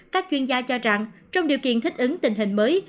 các chuyên gia cho rằng trong điều kiện thích ứng tình hình mới